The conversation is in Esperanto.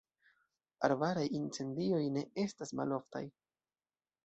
Arbaraj incendioj ne estas maloftaj.